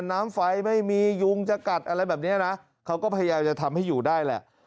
น้ำไฟไม่มียุงจะกัดอะไรแบบนี้นะเขาก็พยายามจะทำให้อยู่ได้แหละ